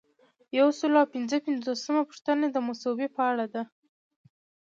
یو سل او پنځه پنځوسمه پوښتنه د مصوبې په اړه ده.